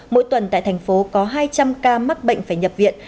mỗi tuần tại thành phố có hai trăm linh ca mắc bệnh phải nhập viện